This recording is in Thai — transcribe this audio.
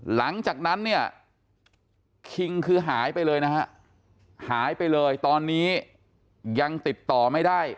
หลังจากนั้นเนี่ยคิงคือหายไปเลยนะฮะหายไปเลยตอนนี้ยังติดต่อไม่ได้